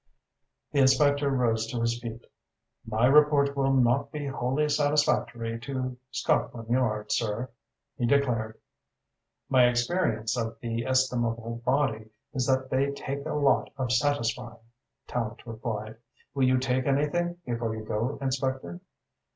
The inspector rose to his feet. "My report will not be wholly satisfactory to Scotland Yard, sir," he declared. "My experience of the estimable body is that they take a lot of satisfying," Tallente replied. "Will you take anything before you go, Inspector?"